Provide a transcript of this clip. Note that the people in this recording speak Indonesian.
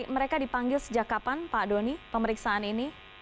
mereka dipanggil sejak kapan pak doni pemeriksaan ini